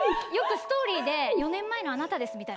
よくストーリーで４年前のあなたです！